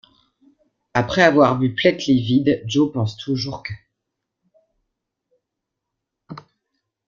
Après avoir vu Plait livide, Joe pense toujours qu'.